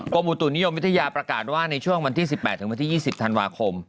อุตุนิยมวิทยาประกาศว่าในช่วงวันที่๑๘ถึงวันที่๒๐ธันวาคม